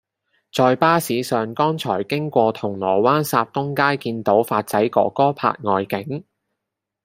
在巴士上剛才經過銅鑼灣霎東街見到發仔哥哥拍外景